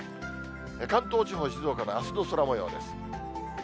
関東地方や静岡のあすの空もようです。